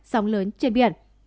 sóng lớn trên biển